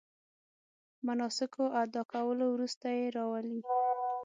د مناسکو ادا کولو وروسته یې راولي.